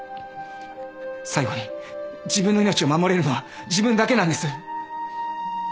最後に自分の命を守れるのは自分だけなんです。